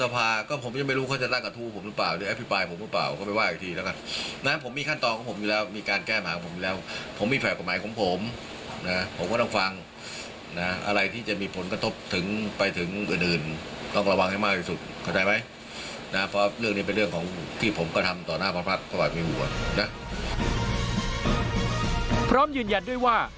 พร้อมยืนยันด้วยว่า